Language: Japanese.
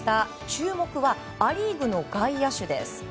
注目はア・リーグの外野手です。